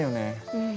うん。